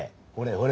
ほれ